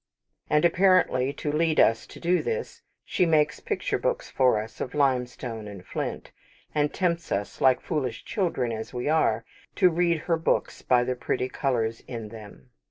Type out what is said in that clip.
And apparently to lead us to do this, she makes picture books for us of limestone and flint; and tempts us, like foolish children as we are, to read her books by the pretty colours in them.